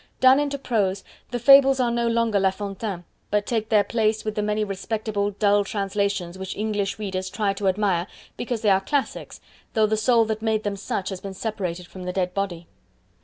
Done into prose, the Fables are no longer La Fontaine, but take their place with the many respectable, dull translations which English readers try to admire because they are classics though the soul that made them such has been separated from the dead body.